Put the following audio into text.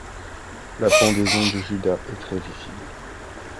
La pendaison de Judas est très visible.